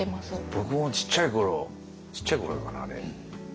僕もちっちゃいころちっちゃいころかなあれ。